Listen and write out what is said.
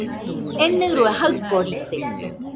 Enɨe jaɨkoride